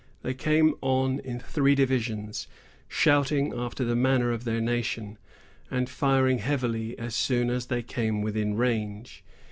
They came on in three divisions, shouting after the manner of their nation, and firing heavily as soon as they came within range.